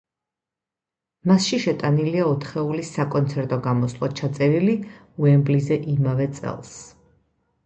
მასში შეტანილია ოთხეულის საკონცერტო გამოსვლა, ჩაწერილი უემბლიზე იმავე წელს.